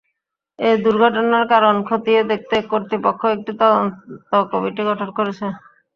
এ দুর্ঘটনার কারণ খতিয়ে দেখতে কর্তৃপক্ষ একটি তদন্ত কমিটি গঠন করেছে।